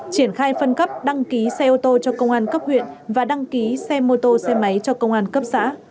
triển khai phân cấp đăng ký xe ô tô cho công an cấp huyện và đăng ký xe mô tô xe máy cho công an cấp xã